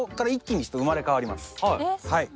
はい。